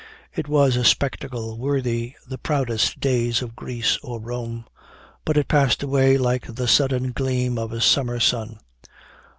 It was a spectacle worthy the proudest days of Greece or Rome; but it passed away like the sudden gleam of a summer sun.